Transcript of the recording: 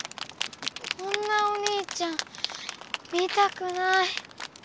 こんなお兄ちゃん見たくない。